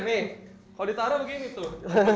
nih kalau ditaruh begini tuh